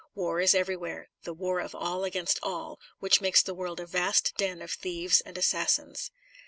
War is everywhere; the war of all against all, which makes the world a vast den of thieves and assassins.